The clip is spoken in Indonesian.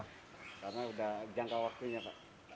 karena udah jangka waktunya pak